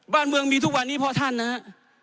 บ้านเมืองมีทุกวันนี้เพราะท่านนะครับ